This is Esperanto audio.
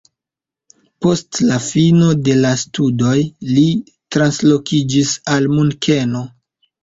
Post la fino de la studoj li translokiĝis al Munkeno.